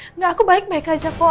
enggak aku baik baik aja kok